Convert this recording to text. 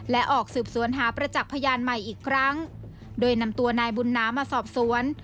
และออกสืบสวนหาประจักษ์พยานใหม่อีกครั้งโดยนำตัวนายบุญนามาสอบสวน